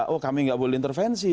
oh kami nggak boleh intervensi